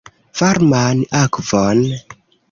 Varman akvon!